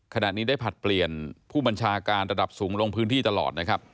ขณะนี้ได้ผลัดเปลี่ยนผู้บัญชาการระดับสูงลงพื้นที่ตลอดนะครับ